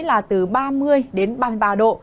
là từ ba mươi đến ba mươi ba độ